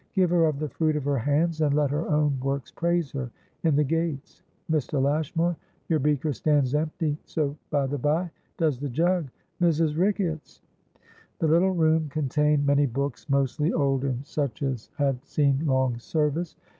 'Give her of the fruit of her hands, and let her own works praise her in the gates!' Mr. Lashmar, your beaker stands empty. So, by the bye, does the jug. Mrs. Ricketts!" The little room contained many books, mostly old and such as had seen long service.